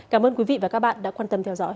cảm ơn quý vị và các bạn đã quan tâm theo dõi